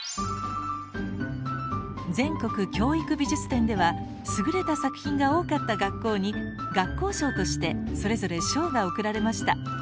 「全国教育美術展」では優れた作品が多かった学校に「学校賞」としてそれぞれ賞が贈られました。